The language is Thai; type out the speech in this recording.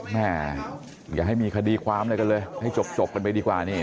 อย่าให้มีคดีความอะไรกันเลยให้จบกันไปดีกว่านี่